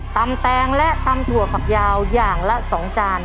แตงและตำถั่วฝักยาวอย่างละ๒จาน